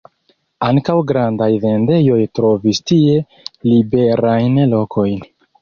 Ankaŭ grandaj vendejoj trovis tie liberajn lokojn.